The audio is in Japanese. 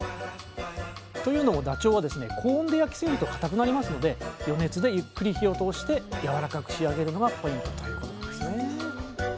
というのもダチョウは高温で焼きすぎるとかたくなりますので余熱でゆっくり火を通してやわらかく仕上げるのがポイントということなんですね